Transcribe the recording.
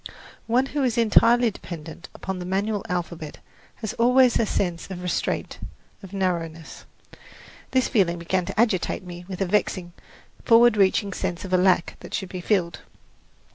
One who is entirely dependent upon the manual alphabet has always a sense of restraint, of narrowness. This feeling began to agitate me with a vexing, forward reaching sense of a lack that should be filled.